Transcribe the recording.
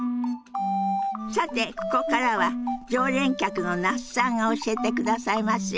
さてここからは常連客の那須さんが教えてくださいますよ。